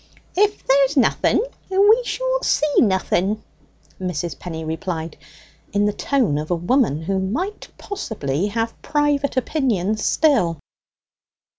"If there's nothing, we shall see nothing," Mrs. Penny replied, in the tone of a woman who might possibly have private opinions still.